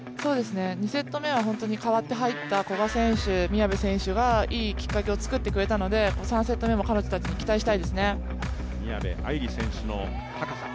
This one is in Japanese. ２セット目は代わって入った古賀選手、宮部選手がいいきっかけを作ってくれたので、３セット目も彼女たちに期待したいですね。